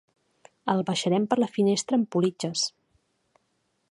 El baixarem per la finestra amb politges.